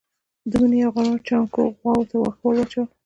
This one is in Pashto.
د مني يوه غرمه جانکو غواوو ته واښه ور اچول.